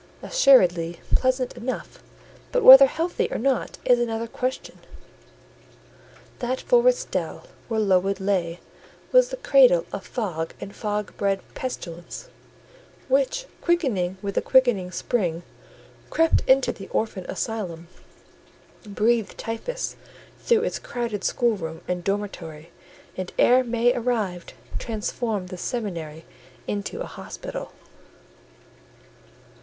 Assuredly, pleasant enough: but whether healthy or not is another question. That forest dell, where Lowood lay, was the cradle of fog and fog bred pestilence; which, quickening with the quickening spring, crept into the Orphan Asylum, breathed typhus through its crowded schoolroom and dormitory, and, ere May arrived, transformed the seminary into an hospital.